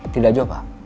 tidak jauh pak